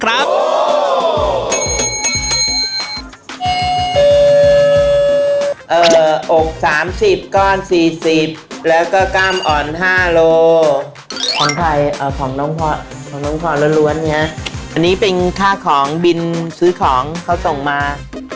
อันนี้เป็นค่าของเบนซื้อของเขาส่งมา